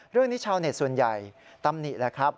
เรื่องนี้ชาวเน็ตส่วนใหญ่ตำหนิแหละครับ